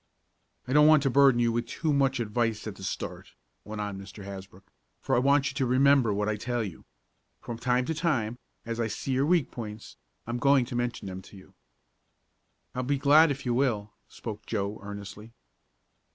"I don't want to burden you with too much advice at the start," went on Mr. Hasbrook, "for I want you to remember what I tell you. From time to time, as I see your weak points, I'm going to mention them to you." "I'll be glad if you will," spoke Joe earnestly.